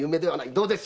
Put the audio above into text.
どうです？